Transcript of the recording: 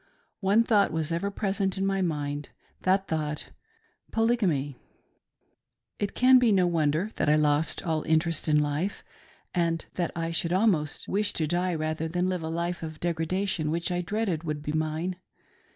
One thought was ever present in my mind — that thought, Polygamy ! It can be no wonder that I lost all interest in life, and that I should almost wish to die rather than live that life of degra dation which I dreaded would be mine.